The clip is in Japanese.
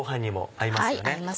合いますね。